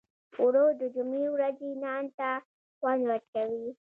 اوړه د جمعې ورځې نان ته خوند ورکوي